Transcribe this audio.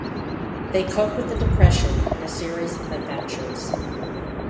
They cope with the Depression in a series of adventures.